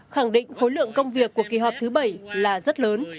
khẳng định khối lượng công việc của kỳ họp thứ bảy là rất lớn